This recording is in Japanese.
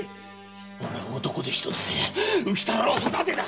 おれは男手ひとつで浮太郎を育てた。